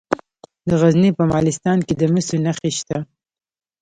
د غزني په مالستان کې د مسو نښې شته.